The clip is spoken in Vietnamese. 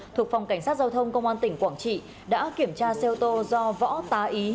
thuộc phòng cảnh sát giao thông công an tỉnh quảng trị đã kiểm tra xe ô tô do võ tá ý